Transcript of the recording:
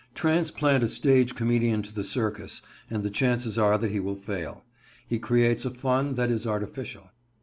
Transplant a stage comedian to the circus, and the chances are that he will fail. He creates a fun that is artificial.